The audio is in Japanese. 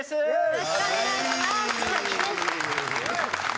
よろしくお願いします千秋です。